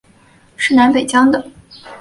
是南北疆的交通要道。